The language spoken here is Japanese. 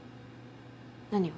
何を？